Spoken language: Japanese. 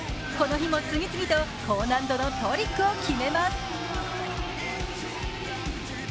この日も次々と高難度のトリックを決めます。